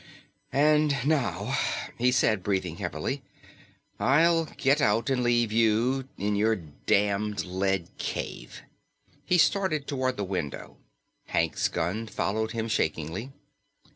"And now," he said, breathing heavily, "I'll get out and leave you in your damned lead cave." He started toward the window. Hank's gun followed him shakingly.